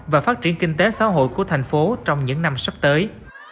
và phát triển kinh tế xã hội của thành phố trong những năm sắp tới